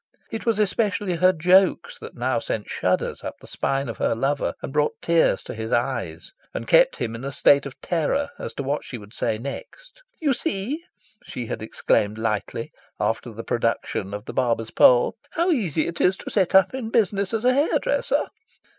It was especially her jokes that now sent shudders up the spine of her lover, and brought tears to his eyes, and kept him in a state of terror as to what she would say next. "You see," she had exclaimed lightly after the production of the Barber's Pole, "how easy it is to set up business as a hairdresser."